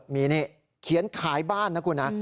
มีนี่เขียนขายบ้านนะคุณนะ